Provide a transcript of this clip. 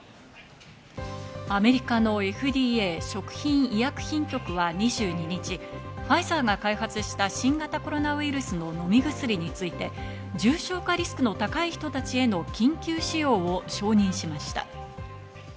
アメリカのＦＤＡ＝食品医薬品局は２２日、ファイザーが開発した新型コロナウイルスの飲み薬について重症化リスクの高い人たちへの緊急使用を承認しました。